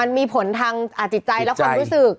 มันมีผลทางจิตใจและความรู้สึก